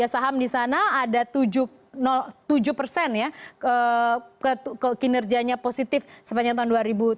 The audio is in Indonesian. satu ratus tiga puluh tiga saham di sana ada tujuh persen ya kinerjanya positif sepanjang tahun dua ribu tujuh belas